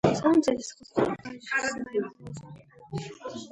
В самом деле сходство Пугачева с моим вожатым было разительно.